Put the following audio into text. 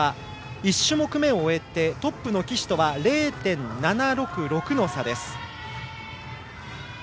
１種目めを終えてトップの岸とは０．７６６の差です。